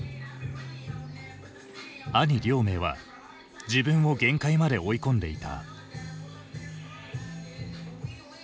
兄亮明は自分を限界まで追い込んでいた。